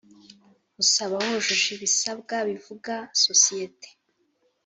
Usaba wujuje ibisabwa bivuga sosiyete